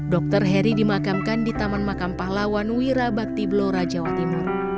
dokter heri dimakamkan di taman makam pahlawan wirabakti blora jawa timur